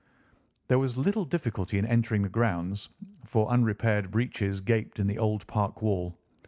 There was little difficulty in entering the grounds, for unrepaired breaches gaped in the old park wall.